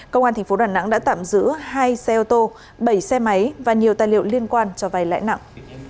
công an tp đà nẵng đã tạm giữ hai xe ô tô bảy xe máy và nhiều tài liệu liên quan cho vay lãi nặng